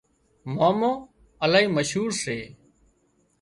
مامو الهي مشهور سي